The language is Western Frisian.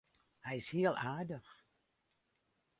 Hy is hiel aardich.